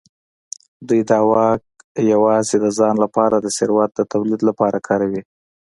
دوی دا واک یوازې د ځان لپاره د ثروت د تولید لپاره کاروي.